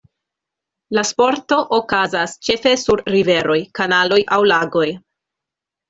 La sporto okazas ĉefe sur riveroj, kanaloj aŭ lagoj.